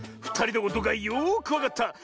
ふたりのことがよくわかった。